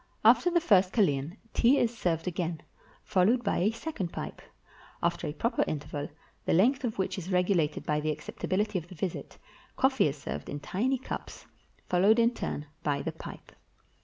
After the first kalean, tea is served again, followed by a second pipe. After a proper interval, the length of which is regulated by the acceptability of the visit, coffee is served in tiny cups, followed in turn by the pipe.